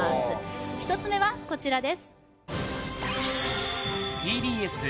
１つ目はこちらです